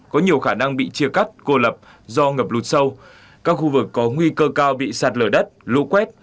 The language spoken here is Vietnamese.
có nhiều khả năng bị chia cắt cô lập do ngập lụt sâu các khu vực có nguy cơ cao bị sạt lở đất lũ quét